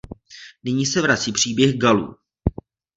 Nyní se vrací příběh Galů.